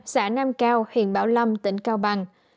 xã nam cao huyện bảo lâm tỉnh cao bằng